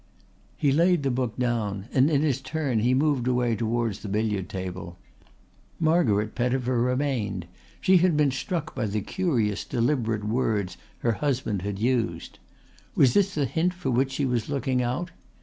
He laid the book down and in his turn he moved away towards the billiard table. Margaret Pettifer remained. She had been struck by the curious deliberate words her husband had used. Was this the hint for which she was looking out?